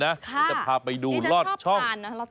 เราจะพาไปดูลอดช่อง